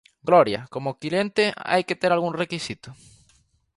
Gloria, como cliente, hai que ter algún requisito?